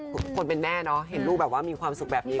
คุณผู้เป็นแม่เห็นลูกมีความสุขแบบนี้